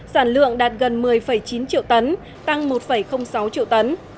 sản lượng đạt gần một mươi chín triệu tấn tăng một sáu triệu tấn